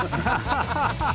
ハハハハ！